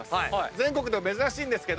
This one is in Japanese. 全国では珍しいんですけど